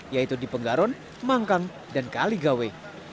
yaitu di penggaron mangkang dan kaligawe